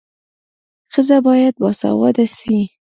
ښځه باید باسواده سي.